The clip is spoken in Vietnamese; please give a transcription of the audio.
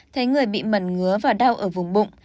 thấy người bị mẩn ngứa và đau ở vùng bụng